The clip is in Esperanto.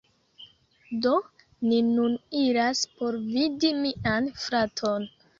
Do, ni nun iras por vidi mian fraton